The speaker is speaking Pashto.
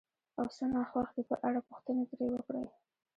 او څه ناخوښ دي په اړه پوښتنې ترې وکړئ،